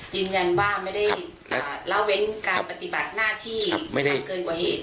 ยืนยันว่าไม่ได้ละเว้นการปฏิบัติหน้าที่ทำเกินกว่าเหตุ